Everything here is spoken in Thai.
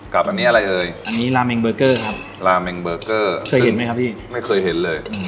กับอันนี้อะไรเฮ้ยอันนี้ครับเขมมั้ยครับพี่ไม่เคยเห็นเลย